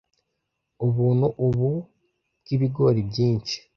Ubuntu ubu bwibigori byinshi,